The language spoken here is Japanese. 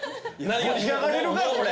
盛り上がれるかこれ！